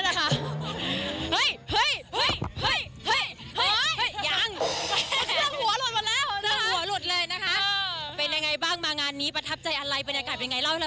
มางานนี้เป็นไงบ้างครั้งแรกหรือเปล่าเราอ่ะ